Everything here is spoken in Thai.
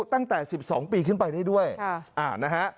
ตั้งแต่๑๒ปีขึ้นไปได้ด้วยนะฮะ